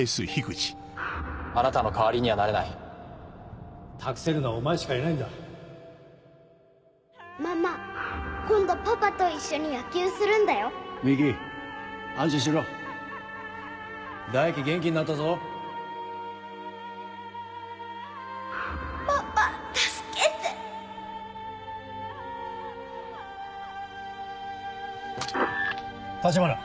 あなたの代わりにはなれない託せるのはお前しかいないんだママ今度パパと一緒に野未希安心しろ大樹元気になったぞパパ助けて橘！